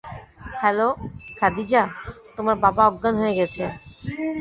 Hello, Khadija, তোমার বাবা অজ্ঞান হয়ে গেছে।